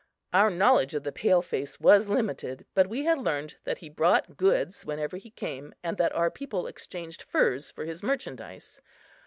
Our knowledge of the pale face was limited, but we had learned that he brought goods whenever he came and that our people exchanged furs for his merchandise.